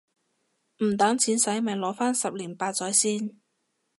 唔等錢洗咪擺返十年八載先